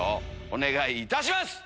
お願いいたします。